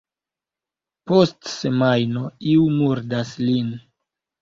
Post semajno iu murdas lin.